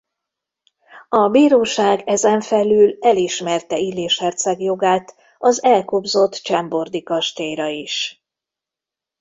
A bíróság ezen felül elismerte Illés herceg jogát az elkobzott chambord-i kastélyra is.